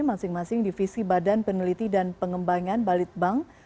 masing masing divisi badan peneliti dan pengembangan balitbank